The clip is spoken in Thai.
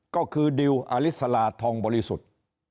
ก็คือดิวอลิสลาทองบริสุทธิ์